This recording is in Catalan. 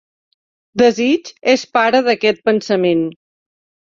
Desig és pare d'aquest pensament